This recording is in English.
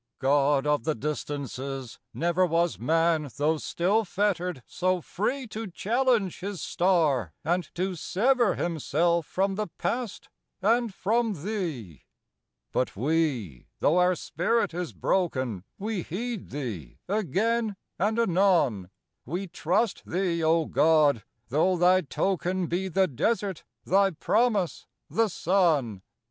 God of the Distances, never Was man, though still fettered, so free To challenge his star and to sever Himself from the past and from thee. But we, though our spirit is broken, We heed thee again and anon; We trust thee, O God, though thy token Be the desert, thy promise, the sun.